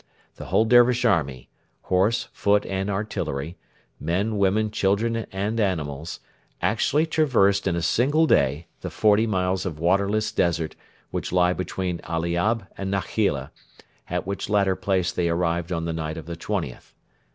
The whole Dervish army horse, foot, and artillery, men, women, children, and animals actually traversed in a single day the forty miles of waterless desert which lie between Aliab and Nakheila, at which latter place they arrived on the night of the 20th.